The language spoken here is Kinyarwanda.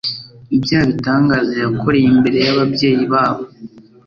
bya bitangaza yakoreye imbere y’ababyeyi babo